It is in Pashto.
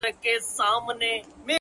كه خپلوې مي نو در خپل مي كړه زړكيه زما!!